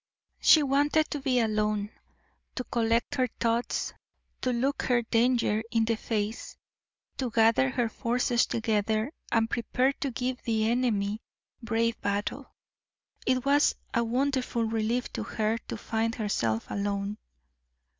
She wanted to be alone, to collect her thoughts, to look her danger in the face, to gather her forces together, and prepare to give the enemy brave battle. It was a wonderful relief to her to find herself alone.